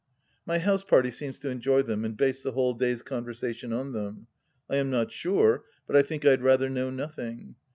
My house party seems to enjoy them and base the whole day's conversation on them. I am not sure, but I think I'd rather know nothing.